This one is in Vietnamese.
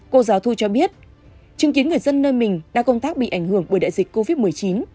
cô giáo thu cho biết chứng kiến người dân nơi mình đang công tác bị ảnh hưởng bởi đại dịch covid một mươi chín